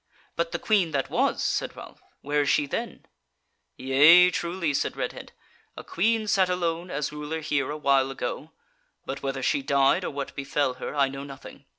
"But the Queen that was," said Ralph, "where is she then?" "Yea truly," said Redhead, "a Queen sat alone as ruler here a while ago; but whether she died, or what befell her, I know nothing.